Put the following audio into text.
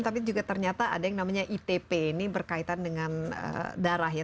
tapi juga ternyata ada yang namanya itp ini berkaitan dengan darah ya